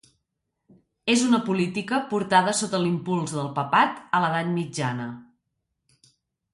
És una política portada sota l'impuls del papat a l'edat mitjana.